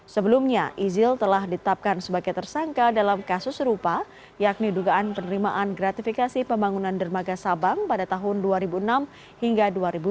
sebelumnya izil telah ditetapkan sebagai tersangka dalam kasus serupa yakni dugaan penerimaan gratifikasi pembangunan dermaga sabang pada tahun dua ribu enam hingga dua ribu sembilan